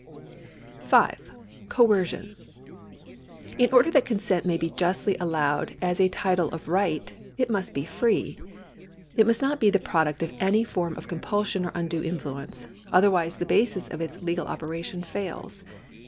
■■ 5. Coercion. In order that consent may be justly allowed as a title of right, it must be free. It must not be the product of any form of compulsion or undue influence ; otherwise the basis of its legal operation fails.